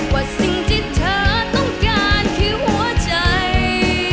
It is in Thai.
ว่าสิ่งที่เธอต้องการคือหัวใจ